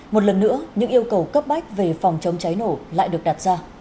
một lần nữa những yêu cầu cấp bách về phòng chống cháy nổ lại được đặt ra